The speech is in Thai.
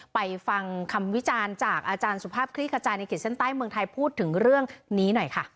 ไปฟังคำวิจารณ์จากอาจารย์สุภาพคลี่ขจายในขีดเส้นใต้เมืองไทยพูดถึงเรื่องนี้หน่อยค่ะ